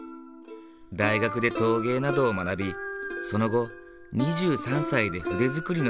大学で陶芸などを学びその後２３歳で筆作りの世界へ。